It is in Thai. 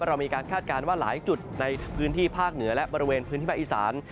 เรามีการคาดการณ์ว่าหลายจุดในพื้นที่ภาคเหนือและบริเวณพื้นที่ภาคอีสาน